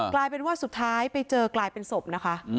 กลายเป็นว่าสุดท้ายไปเจอกลายเป็นศพนะคะ